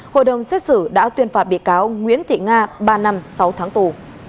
hội đồng xét xử đã tuyên phạt bị cáo nguyễn thị nga ba năm sáu tháng tù